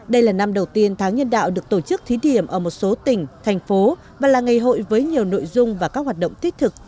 đây là năm đầu tiên tháng nhân đạo được tổ chức thí điểm ở một số tỉnh thành phố và là ngày hội với nhiều nội dung và các hoạt động thiết thực